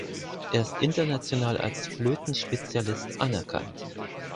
Er ist international als Flötenspezialist anerkannt.